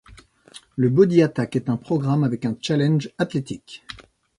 Le BodyAttack est un programme avec un challenge athlétique.